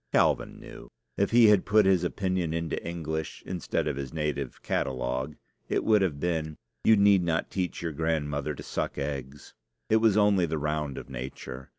Calvin knew. If he had put his opinion into English (instead of his native catalogue), it would have been, "You need not teach your grandmother to suck eggs." It was only the round of nature.